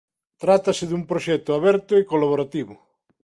Trátase dun proxecto aberto e colaborativo.